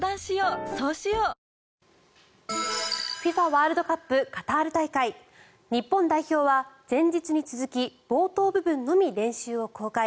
ＦＩＦＡワールドカップカタール大会日本代表は、前日に続き冒頭部分のみ練習を公開。